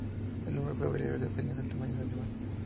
El número fue variable, dependiendo del tamaño del animal.